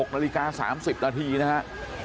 ๖นาฬิกา๓๐นาทีนะครับ